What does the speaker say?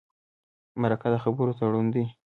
مرکه د خبرو تړون دی.